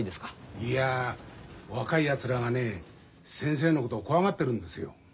いや若いやつらがね先生のことを怖がってるんですよ。